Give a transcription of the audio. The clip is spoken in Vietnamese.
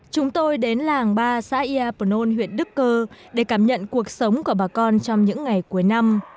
chúng tôi đến làng ba xã iapol huyện đức cơ để cảm nhận cuộc sống của bà con trong những ngày cuối năm